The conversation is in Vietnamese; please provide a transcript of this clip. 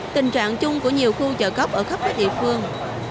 tình trạng chung của nhiều khu chợ cóc ở khắp các địa phương